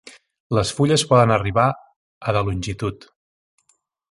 Les fulles poden arribar a de longitud.